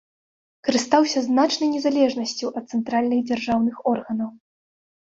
Карыстаўся значнай незалежнасцю ад цэнтральных дзяржаўных органаў.